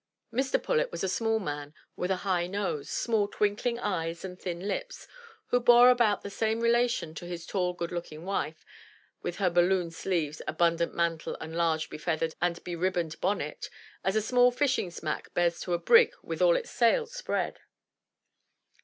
Mr. Pullet was a small man with a high nose, small twinkling eyes and thin lips, who bore about the same relation to his tall good looking wife with her balloon sleeves, abundant mantle, and large be feathered and be ribboned bonnet as a small fishing smack bears to a brig with all its sails spread.